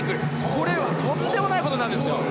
これはとんでもないことなんですよ！